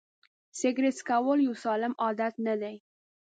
سیګرېټ څکول یو سالم عادت نه دی.